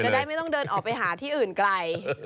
ได้ไม่ต้องเดินออกไปหาที่อื่นไกล